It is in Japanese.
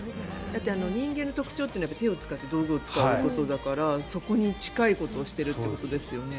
だって人間の特徴は手を使って道具を使うということだからそこに近いことをしているということですよね。